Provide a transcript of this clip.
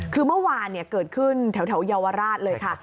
คือเมื่อวานเกิดขึ้นแถวเยาวราชเลยค่ะ